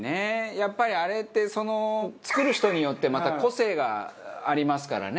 やっぱりあれってその作る人によってまた個性がありますからね。